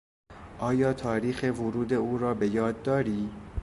آیا تاریخ ورود او را به یاد داری؟